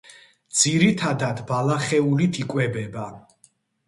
ძირითადად ბალახეულით იკვებება.